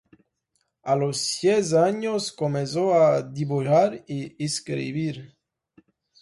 A los seis años comenzó a dibujar y escribir.